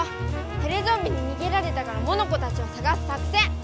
テレゾンビににげられたからモノコたちをさがす作戦！